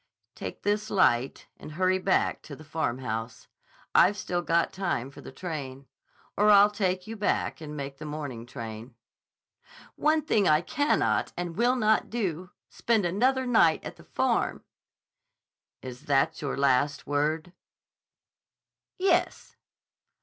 "Take this light and hurry back to the Farmhouse. I've still got time for the train. Or I'll take you back and make the morning train." "One thing I cannot and will not do: spend another night at the Farm." "Is that your last word?" "Yes."